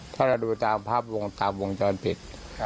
ถ้าเราดูตามภาพวงตามวงจรปิด